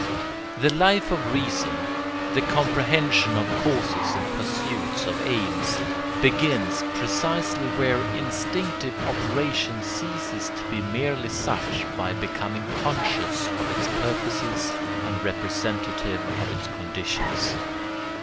] The Life of Reason, the comprehension of causes and pursuit of aims, begins precisely where instinctive operation ceases to be merely such by becoming conscious of its purposes and representative of its conditions.